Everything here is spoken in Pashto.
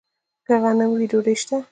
که غنم وي، ډوډۍ شته.